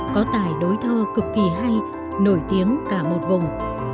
có tài đối thơ cực kỳ hay nổi tiếng cả một vùng